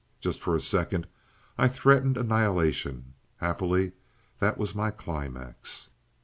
Just for a second I threatened annihilation. Happily that was my climax.